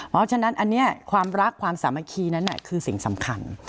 เพราะฉะนั้นอันนี้ความรักความสามัคคีนั้นคือสิ่งสำคัญ